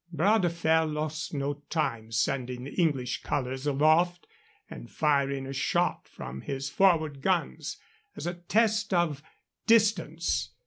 Bras de Fer lost no time sending the English colors aloft and firing a shot from his forward guns, as a test of distance.